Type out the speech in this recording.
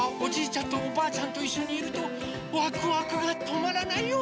ちゃんとおばあちゃんといっしょにいるとワクワクがとまらないよ。